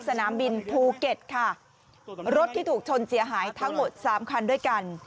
สนามบินภูเก็ตค่ะรถที่ถูกชนเสียหายทั้งหมดสามคันด้วยกัน